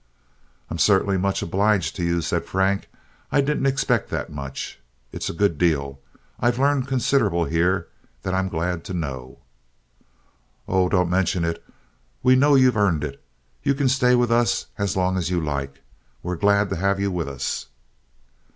"I'm certainly much obliged to you," said Frank. "I didn't expect that much. It's a good deal. I've learned considerable here that I'm glad to know." "Oh, don't mention it. We know you've earned it. You can stay with us as long as you like. We're glad to have you with us."